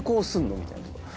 みたいな。